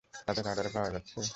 তাদের রাডারে পাওয়া যাচ্ছে?